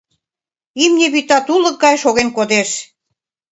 Имне вӱта тулык гай шоген кодеш.